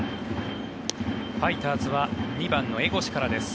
ファイターズは２番の江越からです。